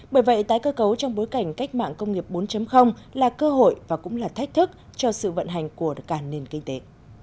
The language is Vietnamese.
bởi vậy tái cơ cấu trong bối cảnh cách mạng công nghiệp bốn là cơ hội và cũng là thách thức cho sự vận hành của cả nền kinh tế